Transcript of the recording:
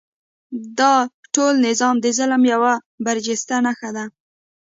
دا د ټول نظام د ظلم یوه برجسته نښه ده.